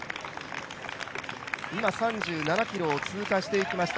今３７ｋｍを通過していきました。